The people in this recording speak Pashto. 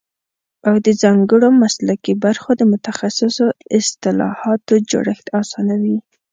او د ځانګړو مسلکي برخو د متخصصو اصطلاحاتو جوړښت اسانوي